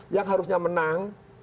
yang harusnya menang